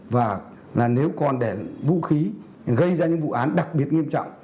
và nếu còn để vũ khí gây ra những vụ án đặc biệt nghiêm trọng